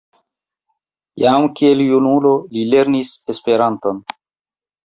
Jam kiel junulo li lernis Esperanton.